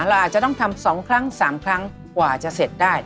เราอาจจะต้องทำ๒ครั้ง๓ครั้งกว่าจะเสร็จได้